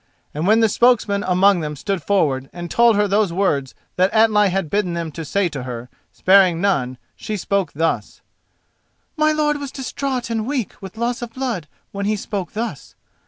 And when the spokesman among them stood forward and told her those words that Atli had bidden them to say to her, sparing none, she spoke thus: "My lord was distraught and weak with loss of blood when he spoke thus.